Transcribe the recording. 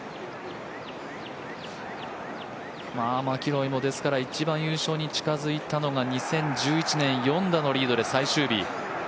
マキロイも一番優勝に近づいたのが２０１１年、４打のリードで最終日。